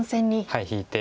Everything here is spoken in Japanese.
はい引いて。